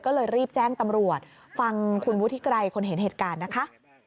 ก็เลยรีบแจ้งตำรวจฟังคุณวุฒิไกรคนเห็นเหตุการณ์นะคะ